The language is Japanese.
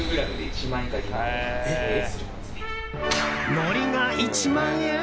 のりが１万円？